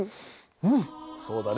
うんそうだね。